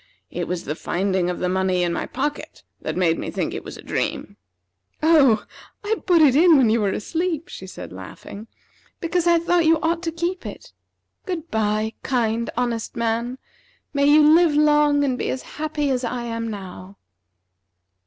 It was the finding of the money in my pocket that made me think it was a dream." "Oh, I put it in when you were asleep," she said, laughing, "because I thought you ought to keep it. Good by, kind, honest man. May you live long, and be as happy as I am now."